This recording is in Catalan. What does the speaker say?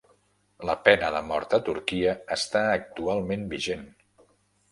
La pena de mort a Turquia està actualment vigent